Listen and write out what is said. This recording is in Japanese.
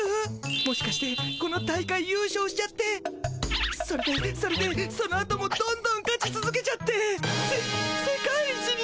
もしかしてこの大会ゆう勝しちゃってそれでそれでそのあともどんどん勝ちつづけちゃってせ世界一になっちゃったりして。